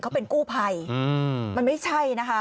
เขาเป็นกู้ภัยมันไม่ใช่นะคะ